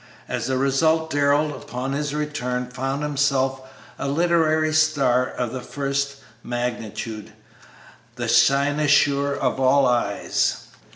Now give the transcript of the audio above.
As a result Darrell, upon his return, found himself a literary star of the first magnitude, the cynosure of all eyes.